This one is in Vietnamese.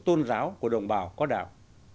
tôn giáo của đồng bào có đạo